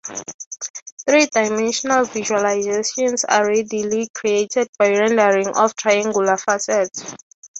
Three-dimensional visualizations are readily created by rendering of the triangular facets.